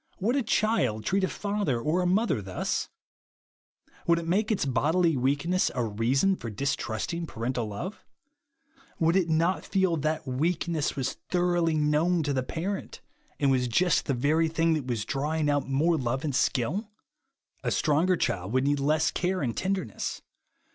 Would a child treat a father or a mother thus ? Would it make its bodily weakness a reason for distrusting parental love ? Would it not feel that that weak ness was thoroughly known to the parent, and was j ust the very thing that was draw ing out more love and skill ? A stronger child would need less care and tenderness.